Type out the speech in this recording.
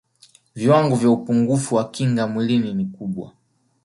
viwango vya upungufu wa kinga mwilini ni kubwa